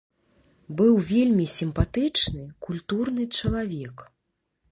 Быў вельмі сімпатычны, культурны чалавек.